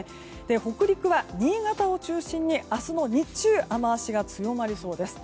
北陸は新潟を中心に明日の日中雨脚が強まりそうです。